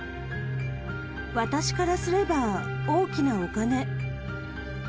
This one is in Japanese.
私からすれば大きなお金。